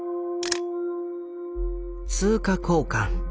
通貨交換。